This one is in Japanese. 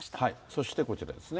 そしてこちらですね。